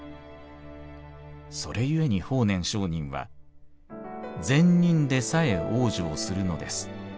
それゆえに法然上人は『善人でさえ往生するのです。